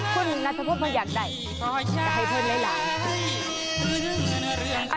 คุณนัทพุพยากใดให้เพิ่มเล่นหลาย